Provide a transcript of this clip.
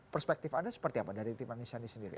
perspektif anda seperti apa dari tim anisandi sendiri